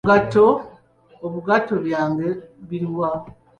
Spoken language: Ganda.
Obugatto byange buli wa?